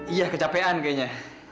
iya kecapean kayaknya